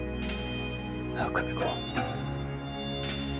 なあ久美子。